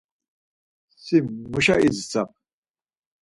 Si muşa idzitsap?